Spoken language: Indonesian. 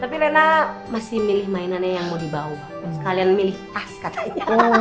tapi lena masih milih mainannya yang mau dibawa sekalian milih as katanya